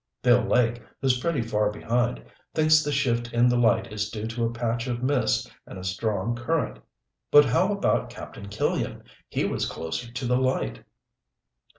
Bill Lake, who's pretty far behind, thinks the shift in the light is due to a patch of mist and a strong current. But how about Captain Killian? He was closer to the light."